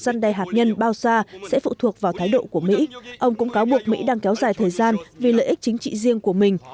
dân đe hạt nhân bao xa sẽ phụ thuộc vào thái độ của mỹ ông cũng cáo buộc mỹ đang kéo dài thời gian vì lợi ích chính trị riêng của mình